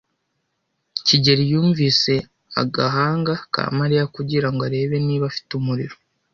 kigeli yumvise agahanga ka Mariya kugirango arebe niba afite umuriro.